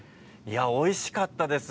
おいしかったです。